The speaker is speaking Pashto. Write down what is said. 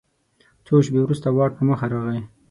څو شیبې وروسته واټ په مخه راغی.